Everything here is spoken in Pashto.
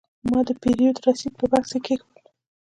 ما د پیرود رسید په بکس کې کېښود.